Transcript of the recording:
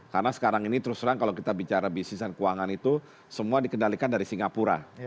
karena sekarang ini terus terang kalau kita bicara bisnis dan keuangan itu semua dikendalikan dari singapura